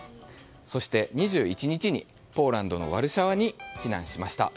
そして、２１日にポーランドのワルシャワに避難しました。